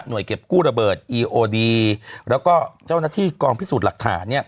เก็บกู้ระเบิดอีโอดีแล้วก็เจ้าหน้าที่กองพิสูจน์หลักฐาน